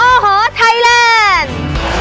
โอ้โหไทยแลนด์